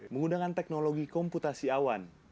menggunakan teknologi komputasi awan